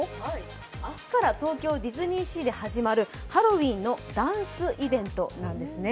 明日から東京ディズニーシーで始まるハロウィーンのダンスイベントなんですね。